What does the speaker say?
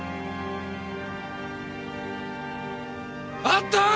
あったー！